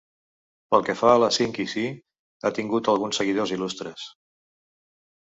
Pel que fa a la sínquisi, ha tingut alguns seguidors il·lustres.